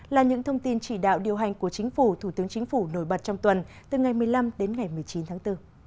là những thông tin chỉ đạo điều hành của chính phủ thủ tướng chính phủ nổi bật trong tuần từ ngày một mươi năm đến ngày một mươi chín tháng bốn